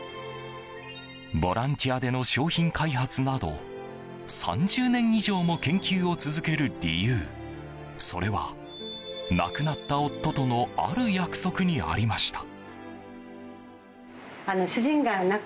ボランティアでの商品開発など３０年以上も研究を続ける理由それは亡くなった夫とのある約束にありました。